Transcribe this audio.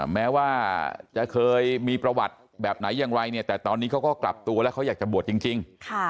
แม้ว่าจะเคยมีประวัติแบบไหนอย่างไรเนี่ยแต่ตอนนี้เขาก็กลับตัวแล้วเขาอยากจะบวชจริง